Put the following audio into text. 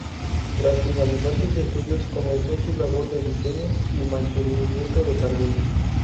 Tras finalizar sus estudios comenzó su labor de diseño y mantenimiento de jardines.